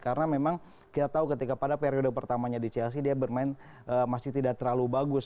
karena memang kita tahu ketika pada periode pertamanya di chelsea dia bermain masih tidak terlalu bagus